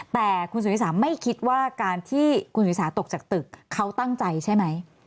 แต่คุณสุธิสาไม่คิดว่าการที่คุณสุธิสาตกจากตึกเขาตั้งใจใช่ไหม